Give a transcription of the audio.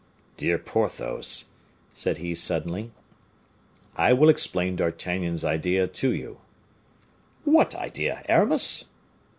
"Dear Porthos," said he, suddenly, "I will explain D'Artagnan's idea to you." "What idea, Aramis?"